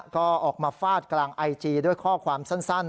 ก็ออกมาฟาดกลางไอจีด้วยข้อความสั้น